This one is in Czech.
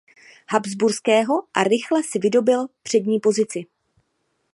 Habsburského a rychle si vydobyl přední pozici.